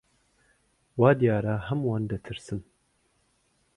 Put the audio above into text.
وا دیارە هەمووان دەترسن.